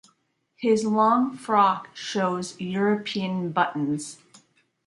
His long frock shows European buttons.